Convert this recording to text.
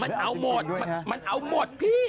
มันเอาหมดมันเอาหมดพี่